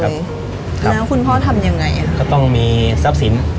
แล้วคุณพ่อทำยังไงก็ต้องมีทรัพย์สิน